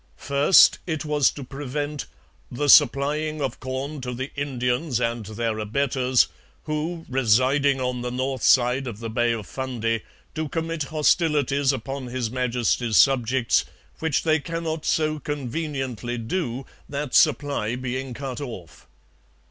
First, it was to prevent 'the supplying of corn to the Indians and their abettors, who, residing on the north side of the Bay of Fundy, do commit hostilities upon His Majesty's subjects which they cannot so conveniently do, that supply being cut off.'